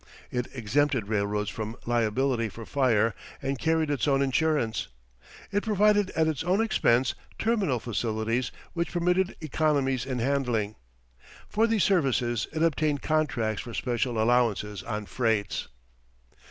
It exempted railroads from liability for fire and carried its own insurance. It provided at its own expense terminal facilities which permitted economies in handling. For these services it obtained contracts for special allowances on freights.